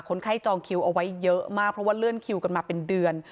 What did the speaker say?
คนไข้จองคิวเอาไว้เยอะมากเพราะว่าเลื่อนคิวกันมาเป็นเดือน